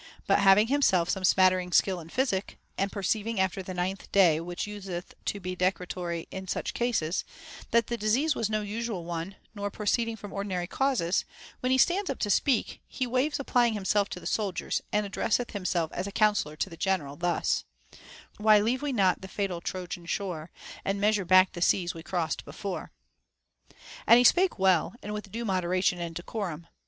But having himself some smattering skill in physic, and perceiving after the ninth day, which useth to be decretory in such cases, that the disease was no usual one nor pro ceeding from ordinary causes, when he stands up to speak, he waives applying himself to the soldiers, and addresseth himself as a councillor to the general, thus :— Why leave we not the fatal Trojan shore, And measure back the seas we cross'd before ?For this and the four following quotations, see II. I. 59, 90, 220, 349; IX. 458. TO HEAR POEMS. (J9 And he spake well, and with due moderation and deconun.